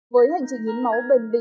với hành trình hiến máu bền bỉ